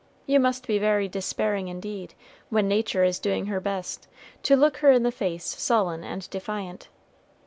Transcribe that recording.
You must be very despairing indeed, when Nature is doing her best, to look her in the face sullen and defiant.